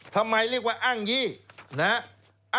ทำไมเรียกว่าอ้างยี่นะฮะ